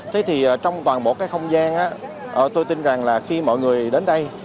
thế thì trong toàn bộ cái không gian tôi tin rằng là khi mọi người đến đây